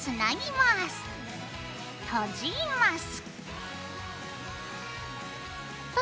とじます。